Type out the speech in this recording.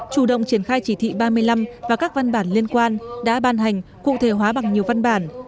chủ động triển khai chỉ thị ba mươi năm và các văn bản liên quan đã ban hành cụ thể hóa bằng nhiều văn bản